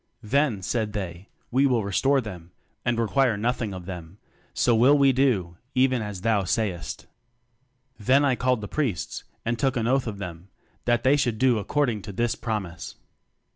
"Then said they, We will restore them, and require nothing of them; so will we do, even as thou sayest. 'Then I called the priests, and took an oath of them, that they should do according to this promise.